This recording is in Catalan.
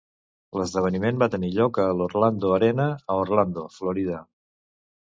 L'esdeveniment va tenir lloc a l'Orlando Arena a Orlando, Florida.